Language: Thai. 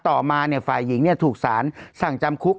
ต่อมาฝ่ายหญิงถูกสารสั่งจำคุก